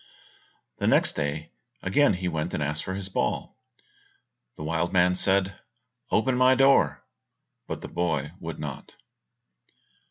The next day he again went and asked for his ball; the wild man said, "Open my door," but the boy would not.